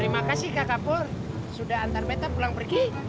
terima kasih kak kapur sudah antar beta pulang pergi